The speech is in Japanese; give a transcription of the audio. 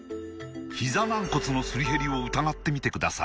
ひざ軟骨のすり減りを疑ってみてください